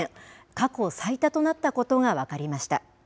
過去最多となったことが分かりました。